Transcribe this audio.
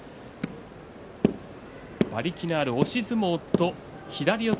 馬力のある押し相撲と左四つ